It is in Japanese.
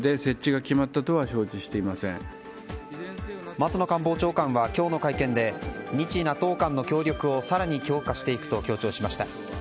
松野官房長官は今日の会見で日ＮＡＴＯ間の協力をさらに強化していくと強調しました。